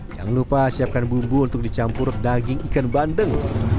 jangan lupa siapkan bumbu untuk dicampur daging ikan bandeng